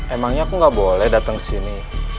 emangnya aku nggak boleh datang ke sini